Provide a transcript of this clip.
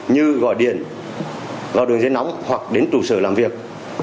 như gọi điện vào đường dây nóng hoặc đến trụ sở làm việc